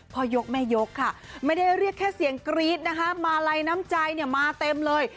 ยกแม่ยกค่ะไม่ได้เรียกแค่เสียงกรี๊ดนะคะมาลัยน้ำใจเนี่ยมาเต็มเลย